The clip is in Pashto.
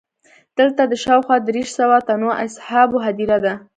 دلته د شاوخوا دېرش زره تنو اصحابو هدیره ده.